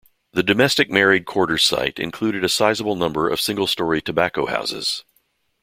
The domestic married quarters site included a sizeable number of single storey "tobacco houses".